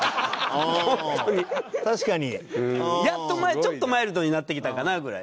やっとちょっとマイルドになってきたかなぐらい。